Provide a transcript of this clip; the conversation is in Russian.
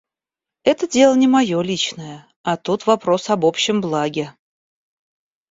Это дело не мое личное, а тут вопрос об общем благе.